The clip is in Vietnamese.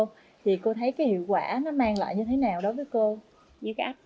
thì cô thấy cái hiệu quả nó mang lại như thế nào đó với cô